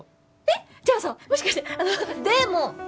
えっじゃあさもしかしてあのでも！